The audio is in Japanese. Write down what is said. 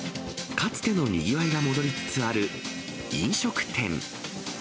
かつてのにぎわいが戻りつつある飲食店。